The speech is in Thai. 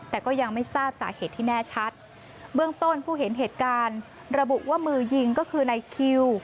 แต่ก็ยังไม่ทราบสาเหตุที่แน่ชัดเบื้องต้นผู้เห็นเหตุการณ์ระบุว่ามือยิงก็คือนายคิว